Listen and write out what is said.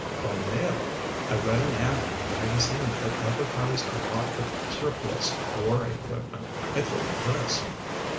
"By mail. I read an ad in a magazine that advertised a lot of surplus war equipment, including this."